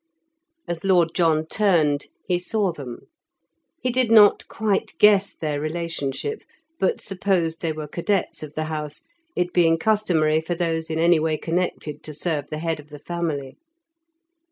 As Lord John turned, he saw them. He did not quite guess their relationship, but supposed they were cadets of the house, it being customary for those in any way connected to serve the head of the family.